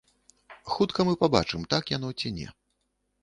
Хутка мы пабачым, так яно ці не.